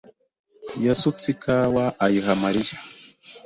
yasutse ikawa ayiha Mariya.